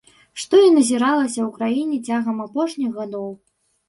Што і назіралася ў краіне цягам апошніх гадоў.